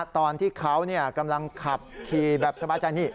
ตอนที่เขากำลังขับขี่แบบสบายใจนี่